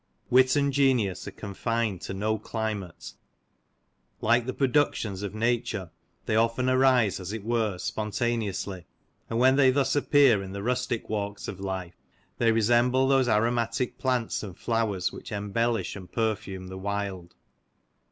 Wit and genius are confined to no climate ; like the productions of nature they often arise, as it were, spontaneously ; and when they thus appear in the rustic walks of life, they resemble those aromatic plants and flowers which embellish and per fume the wild.